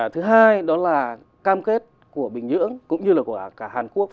thứ hai đó là cam kết của bình nhưỡng cũng như là của cả hàn quốc